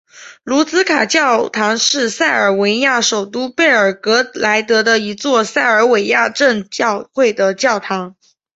卢茨卡教堂是塞尔维亚首都贝尔格莱德的一座塞尔维亚正教会的教堂。